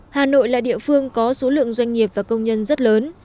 tại địa phương có số lượng doanh nghiệp và công nhân rất lớn